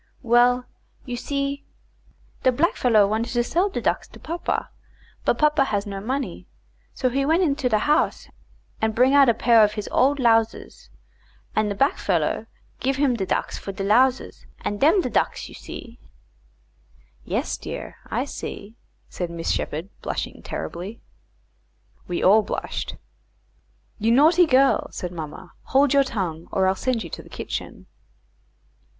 "Well, you see, de blackfellow want to sell de ducks to papa, but papa has no money, so he went into de house and bring out a pair of his old lowsers, and de blackfellow give him de ducks for de lowsers, and dems de ducks you see." "Yes, dear; I see," said Miss Sheppard, blushing terribly. We all blushed. "You naughty girl," said mamma; "hold your tongue, or I'll send you to the kitchen."